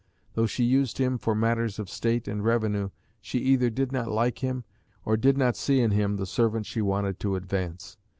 Though she used him "for matters of state and revenue," she either did not like him, or did not see in him the servant she wanted to advance.